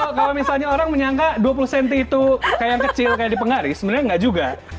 betul ini kalau misalnya orang menyangka dua puluh cm itu kayak yang kecil kayak di pengaris sebenarnya enggak juga